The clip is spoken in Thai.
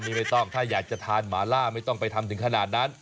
นี่ไม่ต้องถ้าอยากจะทานหมาล่าไม่ต้องไปทำถึงขนาดนั้น